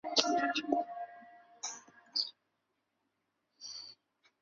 在建始五年二月改元河平。